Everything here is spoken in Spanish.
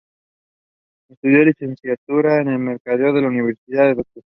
Estudió Licenciatura en Mercadeo en la Universidad Dr.